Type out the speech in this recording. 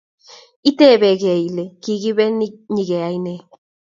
Itebekei Ile kikibe nyikeyai ne